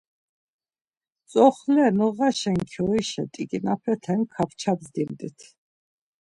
Tzoxle noğaşen kyoişe t̆iǩinapeten kapça bzdimt̆it.